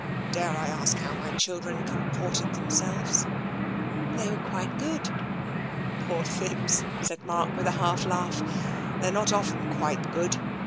" Dare I ask how my children comported them selves ?"" They were quite good." " Poor things !" said Mark, with a half laugh. " They are not often quite good.